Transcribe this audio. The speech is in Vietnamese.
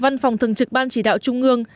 văn phòng thường trực ban chỉ đạo trung ương